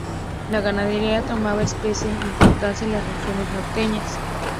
La ganadería tomaba especial importancia en las regiones norteñas.